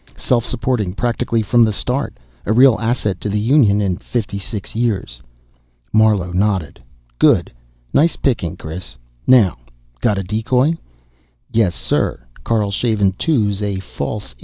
Self supporting practically from the start, a real asset to the Union in fifty six years." Marlowe nodded. "Good. Nice picking, Chris. Now got a decoy?" "Yes, sir. Karlshaven II's a False E.